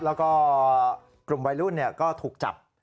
แล้วก็กลุ่มวัยรุ่นก็ถูกจับ